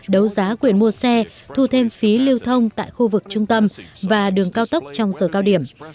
đấu giá quyền mua xe thu thêm phí lưu thông tại khu vực trung tâm và đường cao tốc trong giờ cao điểm